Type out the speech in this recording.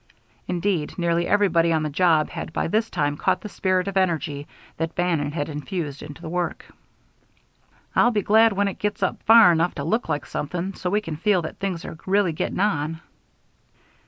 Indeed, nearly everybody on the job had by this time caught the spirit of energy that Bannon had infused into the work. "I'll be glad when it gets up far enough to look like something, so we can feel that things are really getting on."